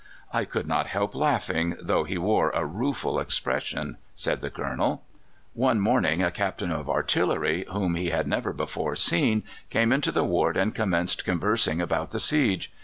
"I could not help laughing, though he wore a rueful expression," says the Colonel. One morning a Captain of artillery, whom he had never before seen, came into the ward and commenced conversing about the siege.